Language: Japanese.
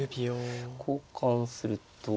交換すると。